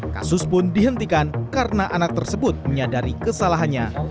kasus pun dihentikan karena anak tersebut menyadari kesalahannya